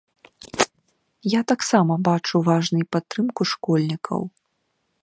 Я таксама бачу важнай падтрымку школьнікаў.